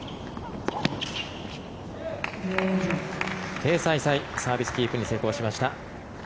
テイ・サイサイサービスキープに成功しました。